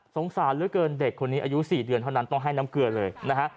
สารเหลือเกินเด็กคนนี้อายุ๔เดือนเท่านั้นต้องให้น้ำเกลือเลยนะฮะ